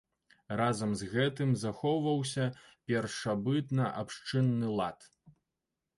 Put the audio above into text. Разам з гэтым, захоўваўся першабытна-абшчынны лад.